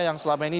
yang selama ini